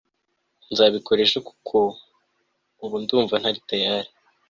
nzabikora ejo kuko ubu ndumva ntari tayali